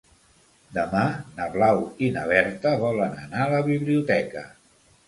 Demà na Blau i na Berta volen anar a la biblioteca.